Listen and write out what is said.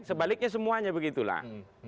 sebaliknya semuanya begitulah